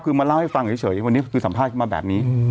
คือมาเล่าให้ฟังเฉยวันนี้คือสัมภาษณ์มาแบบนี้